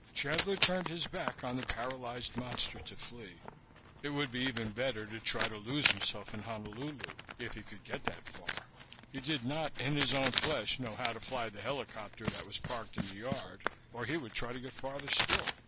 Chandler turned his back on the paralyzed monster to flee. It would be even better to try to lose himself in Honolulu if he could get that far he did not in his own flesh know how to fly the helicopter that was parked in the yard or he would try to get farther still.